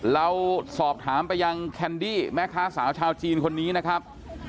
เราสอบถามไปยังแคนดี้แม่ค้าสาวชาวจีนคนนี้นะครับ